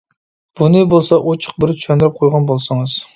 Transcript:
بۇنى بولسا ئوچۇق بىر چۈشەندۈرۈپ قويغان بولسىڭىز.